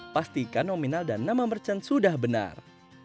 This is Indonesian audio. pastikan nominal dan nama merchant sudah benar